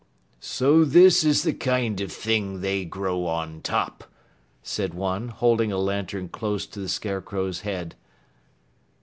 "So this is the kind of thing they grow on top," said one, holding a lantern close to the Scarecrow's head.